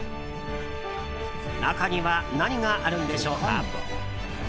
中には何があるんでしょうか。